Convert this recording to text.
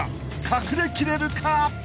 ［隠れきれるか］